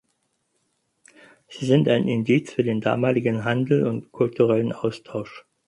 Sie sind ein Indiz für den damaligen Handel und kulturellen Austausch.